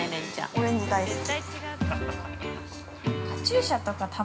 ◆オレンジ大好き。